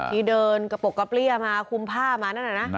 ที่เดินกระปกกระเปรี้ยมาคุมผ้ามานั่นน่ะนะ